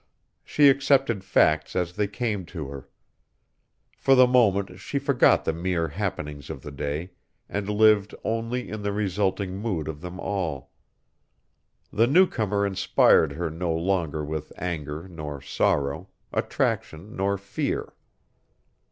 She accepted facts as they came to her. For the moment she forgot the mere happenings of the day, and lived only in the resulting mood of them all. The new comer inspired her no longer with anger nor sorrow, attraction nor fear.